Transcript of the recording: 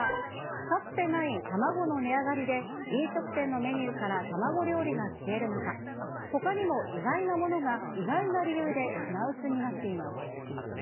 かつてない卵の値上がりで、飲食店のメニューから卵料理が消える中、ほかにも意外なものが意外な理由で品薄になっています。